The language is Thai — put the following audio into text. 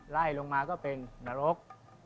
ไล่ลงมาก็เป็นนรก